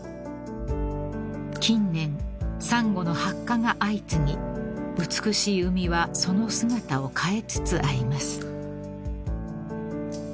［近年サンゴの白化が相次ぎ美しい海はその姿を変えつつあります］